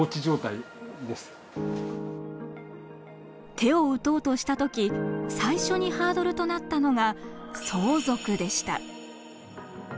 手を打とうとした時最初にハードルとなったのが相続でした。